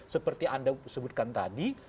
seperti anda sebutkan tadi